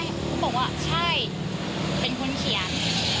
เขาบอกว่าใช่เป็นคนเขียน